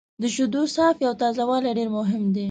د شیدو صافي او تازه والی ډېر مهم دی.